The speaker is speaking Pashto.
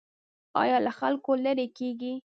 ایا له خلکو لرې کیږئ؟